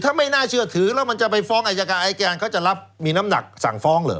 ถ้าไม่น่าเชื่อถือแล้วมันจะไปฟ้องอายการอายการเขาจะรับมีน้ำหนักสั่งฟ้องเหรอ